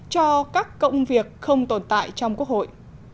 cho các công việc không tồn tại trong quốc hội